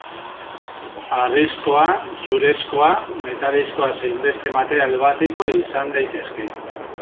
Harrizkoa, zurezkoa, metalezkoa zein beste material batekoa izan daitezke.